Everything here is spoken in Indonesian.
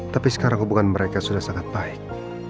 tapi sekarang hubungan mereka sudah sangat baik